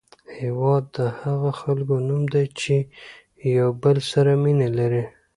هېواد د هغو خلکو نوم دی چې یو بل سره مینه لري.